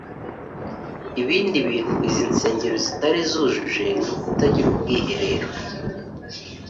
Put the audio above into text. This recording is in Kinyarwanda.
Ibindi bintu izi nsengero zitari zujuje ni ukutagira ubwiherero